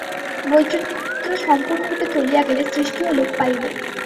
বৈচিত্র্য সম্পূর্ণরূপে চলিয়া গেলে সৃষ্টিও লোপ পাইবে।